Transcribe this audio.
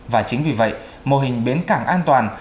và chính vì vậy mô hình bến cảng an toàn